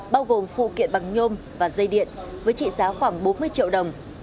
bao gồm phụ kiện bằng nhôm và dây điện với trị giá khoảng bốn mươi triệu đồng